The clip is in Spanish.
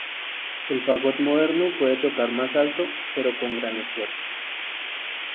El fagot moderno puede tocar más alto, pero con gran esfuerzo.